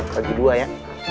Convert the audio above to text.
lagi dua ya